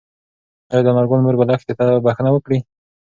ايا د انارګل مور به لښتې ته بښنه وکړي؟